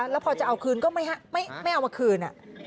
แล้วพอจะเอาคืนก็ไม่เอามาคืน